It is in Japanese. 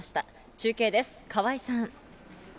中継です、川合さん。